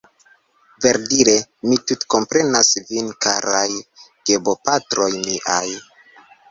Verdire, mi tutkomprenas vin karaj gebopatroj miaj